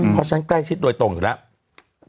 เพราะฉันใกล้ชิดโดยตรงอยู่แล้ว